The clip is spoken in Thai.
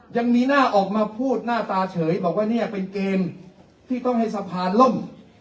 ยังมีหน้าออกมาพูดหน้าตาเฉยบอกว่าเนี่ยเป็นเกมที่ต้องให้สะพานล่ม